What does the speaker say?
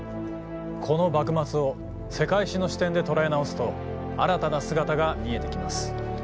この幕末を世界史の視点で捉え直すと新たな姿が見えてきます。